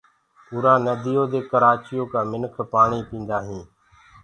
اُرآ نديو دي ڪرآچيو ڪآ منک پآڻي پينٚدآ هينٚ